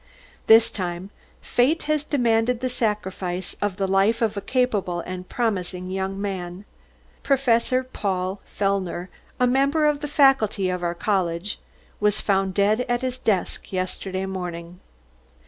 This time, Fate has demanded the sacrifice of the life of a capable and promising young man. Professor Paul Fellner, a member of the faculty of our college, was found dead at his desk yesterday morning.